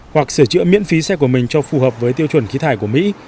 hoặc sửa chữa miễn phí xe của mình cho phù hợp với tiêu chuẩn khí thải của mỹ